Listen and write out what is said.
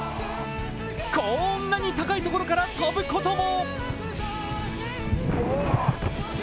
こーんなに高いところから飛ぶことも！